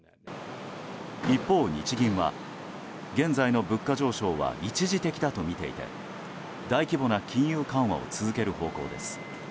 一方、日銀は現在の物価上昇は一時的だとみていて大規模な金融緩和を続ける方向です。